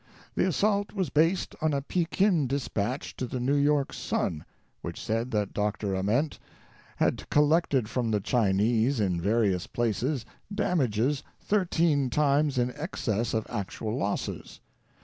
The assault was based on a Pekin dispatch to the New York Sun, which said that Dr. Ament had collected from the Chinese in various places damages thirteen times in excess of actual losses.